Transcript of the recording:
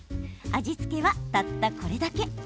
味付けは、たったこれだけ。